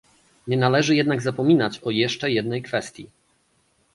Nie należy jednak zapominać o jeszcze jednej kwestii